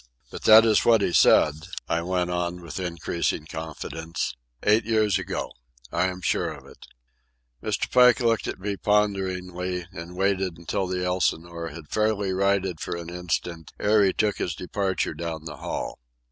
But that is what he said," I went on with increasing confidence. "Eight years ago. I am sure of it." Mr. Pike looked at me ponderingly, and waited until the Elsinore had fairly righted for an instant ere he took his departure down the hall.